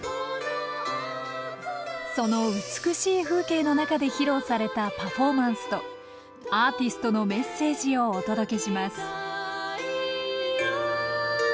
その美しい風景の中で披露されたパフォーマンスとアーティストのメッセージをお届けします